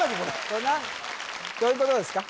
これどういうことですか？